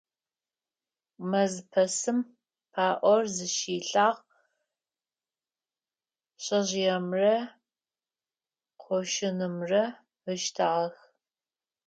Мэзпэсым паӀор зыщилъагъ, шъэжъыемрэ къошынымрэ ыштагъэх.